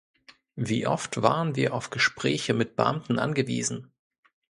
Wie oft waren wir auf Gespräche mit Beamten angewiesen?